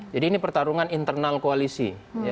jadi ini pertarungan internal koalisi